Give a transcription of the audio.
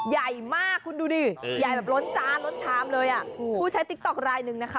ใหญ่มากคุณดูดิใหญ่แบบล้นจานลดชามเลยอ่ะผู้ใช้ติ๊กต๊อกรายหนึ่งนะคะ